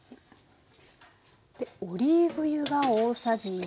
オリーブ油が大さじ１。